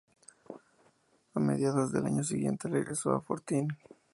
A mediados del año siguiente regresó al "Fortín".